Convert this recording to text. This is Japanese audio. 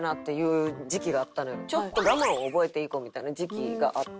ちょっと我慢を覚えていこうみたいな時期があって。